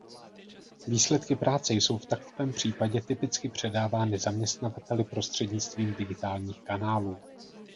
Výsledky práce jsou v takovém případě typicky předávány zaměstnavateli prostřednictvím digitálních kanálů.